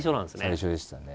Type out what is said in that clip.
最初でしたね。